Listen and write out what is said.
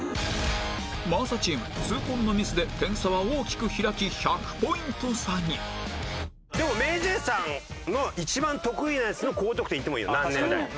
真麻チーム痛恨のミスで点差は大きく開き１００ポイント差にでも ＭａｙＪ． さんの一番得意なやつの高得点いってもいいよ。